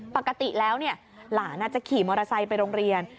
ปกติแล้วหลานจะขี่มอเตอร์ไซค์ไปโรงเรียน